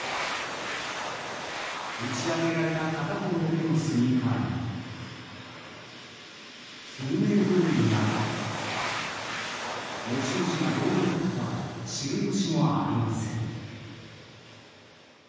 打ち揚げられた片方だけのスニーカーに救命胴衣など持ち主がどうなったかは知る由もありません。